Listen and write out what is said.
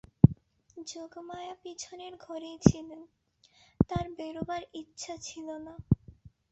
যোগমায়া পিছনের ঘরেই ছিলেন, তাঁর বেরোবার ইচ্ছা ছিল না।